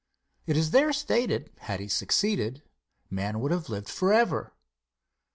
It is there stated, had he succeeded, man would have lived forever.